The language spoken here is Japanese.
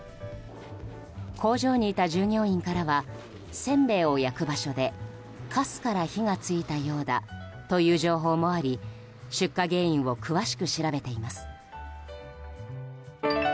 工場にいた従業員からはせんべいを焼く場所でカスから火が付いたようだという情報もあり出火原因を詳しく調べています。